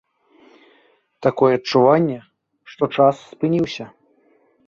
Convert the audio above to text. Такое адчуванне, што час спыніўся.